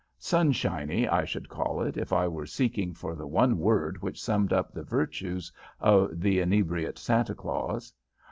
Sunshiny, I should call it, if I were seeking for the one word which summed up the virtues of "The Inebriate Santa Claus."